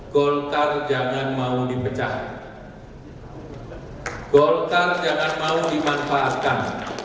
golkar jangan mau dimanfaatkan